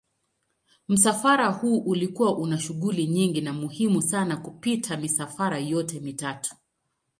Msafara huu ulikuwa una shughuli nyingi na muhimu sana kupita misafara yote mitatu.